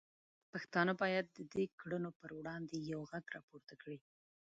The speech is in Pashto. پښتانه باید د دې کړنو پر وړاندې یو غږ راپورته کړي.